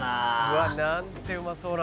「うわっうまそう」